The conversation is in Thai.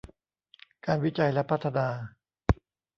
การวิจัยและพัฒนา